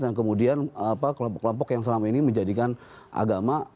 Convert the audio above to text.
dan kemudian kelompok kelompok yang selama ini menjadikan agama